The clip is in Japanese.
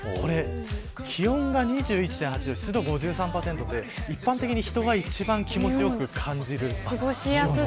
気温が２１．８度湿度５３％って一般的に人が一番気持ちよく感じる。